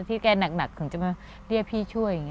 ที่แกหนักถึงจะมาเรียกพี่ช่วย